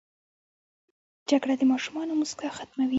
جګړه د ماشومانو موسکا ختموي